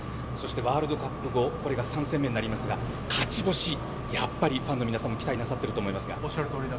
ワールドカップ後これが３戦目になりますが勝ち星、やっぱりファンの皆さん期待なさっていると思いますが。